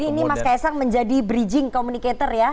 jadi ini mas kaisang menjadi bridging communicator ya